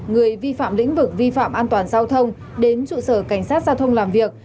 người vi phạm lĩnh vực vi phạm an toàn giao thông đến trụ sở cảnh sát giao thông làm việc